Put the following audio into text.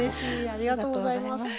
ありがとうございます。